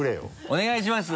お願いします。